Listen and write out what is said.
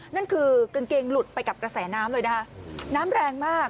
นั่นคือกางเกงหลุดไปกับกระแสน้ำเลยนะคะน้ำแรงมาก